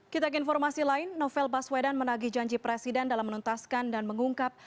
kita ke informasi lain novel baswedan menagi janji presiden dalam menuntaskan dan mengungkap